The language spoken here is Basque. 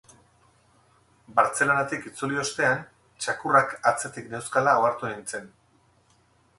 Bartzelonatik itzuli ostean, txakurrak atzetik neuzkala ohartu nintzen.